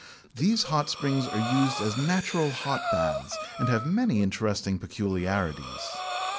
These hot springs are used as natural hot baths, and have many interesting peculiarities.